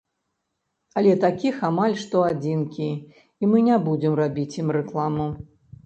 Але такіх амаль што адзінкі, і мы не будзем рабіць ім рэкламу.